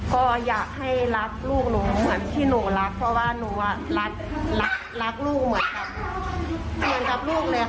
ก็อยากให้รักลูกหนูเหมือนที่หนูรักเพราะว่าหนูรักลูกเหมือนกับเหมือนกับลูกเลยค่ะ